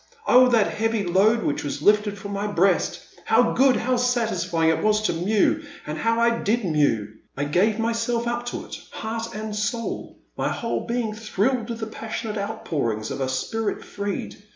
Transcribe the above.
Oh, that heavy load which was lifted from my breast ! How good, how satisfying it was to mew ! And how I did mew ! I gave myself up to it, heart and soul; my whole being thrilled with the passionate outpour ings of a spirit freed.